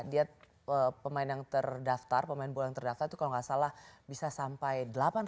dia pemain yang terdaftar pemain bola yang terdaftar itu kalau nggak salah bisa sampai delapan puluh